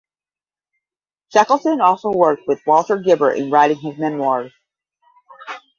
Shackleton also worked with Walter Gilbert in writing his memoirs.